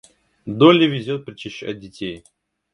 Долли везет причащать детей.